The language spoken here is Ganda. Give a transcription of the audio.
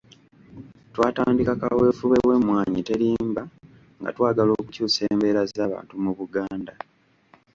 Twatandika kaweefube w’Emmwanyi Terimba nga twagala okukyusa embeera z’abantu mu Buganda.